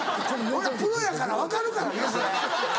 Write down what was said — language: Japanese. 俺はプロやから分かるからねそれ。